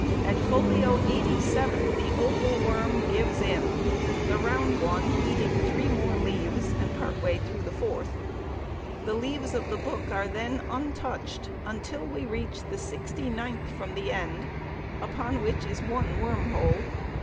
At folio 87 the oval worm gives in, the round one eating three more leaves and part way through the fourth. The leaves of the book are then untouched until we reach the sixty ninth from the end, upon which is one worm hole.